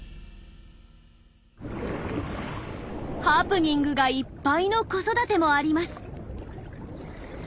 ハプニングがいっぱいの子育てもあります。